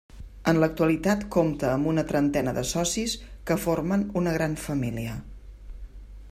En l'actualitat compta amb una trentena de socis que formen una gran família.